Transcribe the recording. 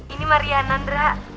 ini mariana indra